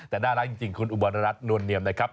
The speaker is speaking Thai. แต่น่ารักจริงคุณอุบัณรัฐนวลเนียมนะครับ